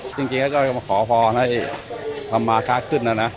จริงเราก็มาขอพ้อใหม่ค่าขึ้นนะ